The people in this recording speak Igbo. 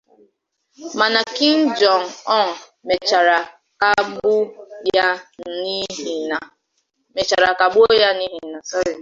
Mana Kim Jong-un mechara kagbu ya n’ihi na